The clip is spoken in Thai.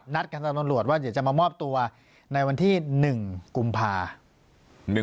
กับตำรวจว่าเดี๋ยวจะมามอบตัวในวันที่๑กุมภา